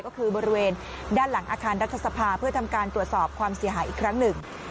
ก็คือบริเวณด้านหลังอาคารรัฐสภาเพื่อทำการตรวจสอบความเสียหายอีกครั้งหนึ่ง